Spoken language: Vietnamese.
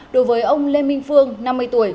đối với ông lê minh phương năm mươi tuổi